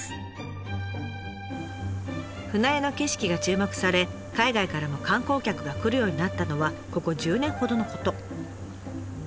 舟屋の景色が注目され海外からも観光客が来るようになったのはここ１０年ほどのこと。